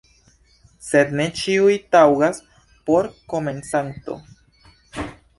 Sed ne ĉiuj taŭgas por komencanto.